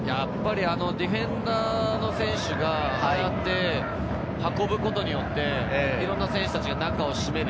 ディフェンダーの選手が、ああやって運ぶことによって、いろいろな選手達が中を締める。